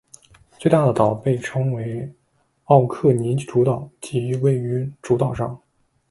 最大的岛被称为奥克尼主岛即位于主岛上。